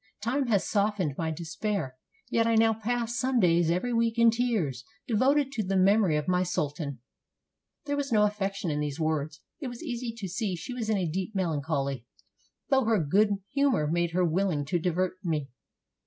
Time has softened my despair; yet I now pass some days every week in tears, devoted to the memory of my sul tan." There was no affectation in these words. It was easy to see she was in a deep melancholy, though her good humor made her willing to divert me.